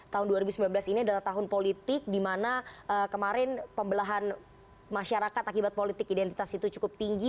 tahun dua ribu sembilan belas ini adalah tahun politik di mana kemarin pembelahan masyarakat akibat politik identitas itu cukup tinggi